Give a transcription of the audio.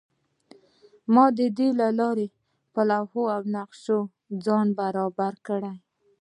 ما د لارې په لوحو او نقشو ځان برابر کړ.